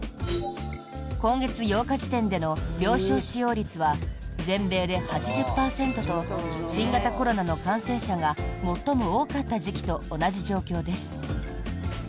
今月８日時点での病床使用率は全米で８０％と新型コロナの感染者が最も多かった時期と同じ状況です。